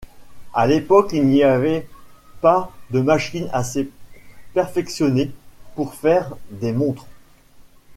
À l'époque, il n'y avait pas de machines assez perfectionnées pour faire des montres.